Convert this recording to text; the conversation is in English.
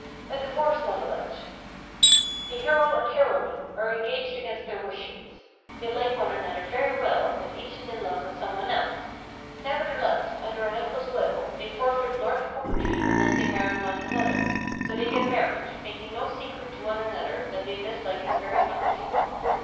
A Divorce Novelette The hero and heroine are engaged against their wishes. They like one another very well but each is in love with some one else; nevertheless, under an uncle's will, they forfeit large property unless they marry one another, so they get married, making no secret to one another that they dislike it very much.